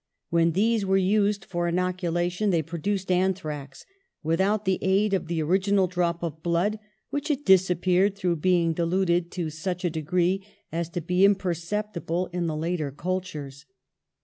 When these were used for inocu lation they produced anthrax, without the aid of the original drop of blood, which had dis appeared through being diluted to such a de gree as to be imperceptible in the later cultures.